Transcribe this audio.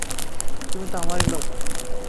তুমি তো আমারই লোক।